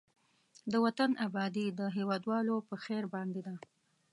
د وطن آبادي د هېوادوالو په خير باندې ده.